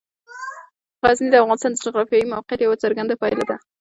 غزني د افغانستان د جغرافیایي موقیعت یوه څرګنده پایله ده.